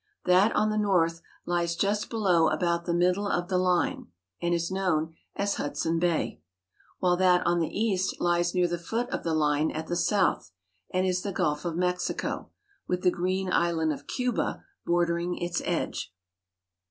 That on the north lies just below about the middle of the Hne, and is known as Hudson Bay ; while that on the east lies near the foot GENERAL VIEW. II of the line at the south, and is the Gulf of Mexico, with the green island of Cuba bordering its edge.